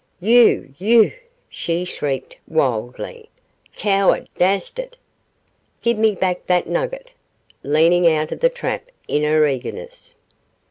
'You! you!' she shrieked, wildly, 'coward! dastard! Give me back that nugget!' leaning out of the trap in her eagerness.